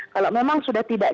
kalau memang sudah tidak